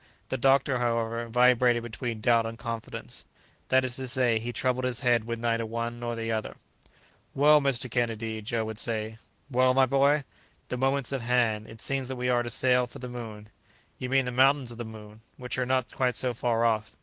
The doctor, however, vibrated between doubt and confidence; that is to say, he troubled his head with neither one nor the other. "Well, Mr. Kennedy," Joe would say. "Well, my boy?" "The moment's at hand. It seems that we are to sail for the moon." "You mean the Mountains of the Moon, which are not quite so far off.